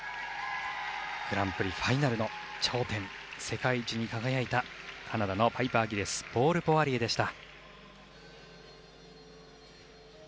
グランプリファイナルの頂点世界一に輝いたカナダのパイパー・ギレスポール・ポワリエでした。